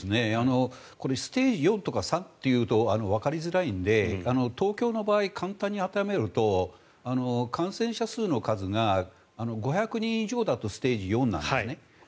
これステージ４とか３というとわかりづらいので東京の場合、簡単に当てはめると感染者数の数が５００人以上だとステージ４なんですね。